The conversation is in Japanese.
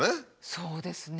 そうですね。